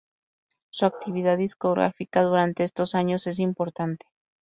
Su actividad discográfica durante estos años es importante.